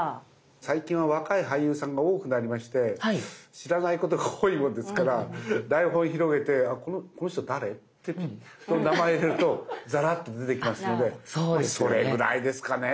最近は若い俳優さんが多くなりまして知らないことが多いもんですから台本を広げてこの人誰？って名前を入れるとザラっと出てきますのでそれぐらいですかね